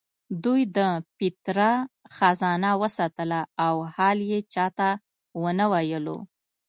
دوی د پیترا خزانه وساتله او حال یې چا ته ونه ویلو.